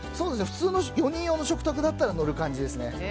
普通の４人用の食卓だったらのる感じです。